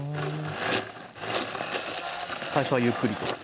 最初はゆっくりと。